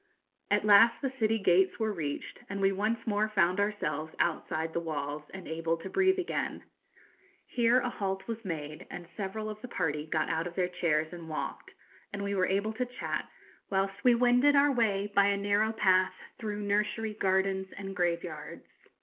At last the city gates were reached, and we once more found ourselves outside the walls, and able to breathe again. Here a halt was made, and several of the party got out of their chairs and walked, and we were able to chat, whilst we wended our way by a narrow path through nursery gardens and graveyards.